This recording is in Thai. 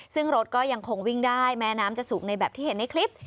ซึ่งรถก็ยังคงวิ่งได้แม้น้ำจะสูงในแบบที่เห็นในคลิป